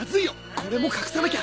これも隠さなきゃ！